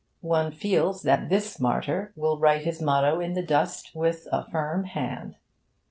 One feels that this martyr will write his motto in the dust with a firm hand.